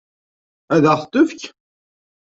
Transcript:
Ad ɣ-t-tefk?